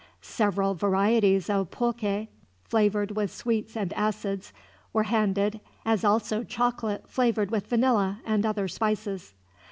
Several varieties of pulque, flavored with sweets and acids, were handed, as also chocolate flavored with vanilla and other spices.